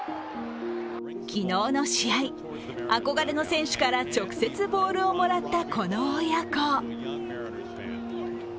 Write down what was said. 昨日の試合、憧れの選手から直接ボールをもらったこの親子。